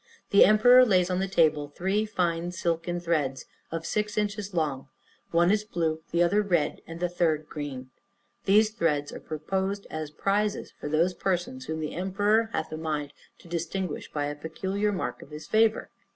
The emperor lays on the table three fine silken threads of six inches long: one is blue, the other red, and the third green. These threads are proposed as prizes for those persons whom the emperor hath a mind to distinguish by a peculiar mark of his favor.